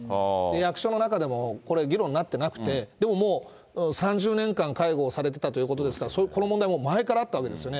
役所の中でもこれ、議論になってなくて、でももう、３０年間介護をされてたっていうことですから、この問題、前からあったわけですよね。